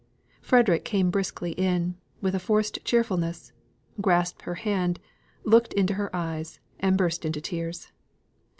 Frederick came briskly in, with a forced cheerfulness, grasped her hand, looked into her eyes and burst into tears.